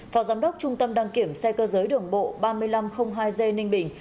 phó giám đốc trung tâm đăng kiểm xe cơ giới đường bộ ba nghìn năm trăm linh hai g ninh bình